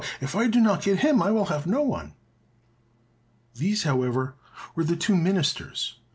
If I do not get him, I will have no one." These, however, were the two ministers.